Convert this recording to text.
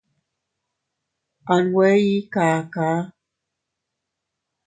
A nwe ii kakaa.